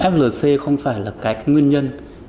flc không phải là cái nguyên nhân